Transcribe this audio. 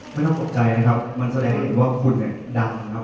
ไม่ต้องกดใจนะครับมันแสดงให้ดูว่าคุณดำนะครับ